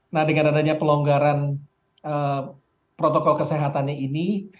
nah dengan adanya pelonggaran protokol kesehatannya ini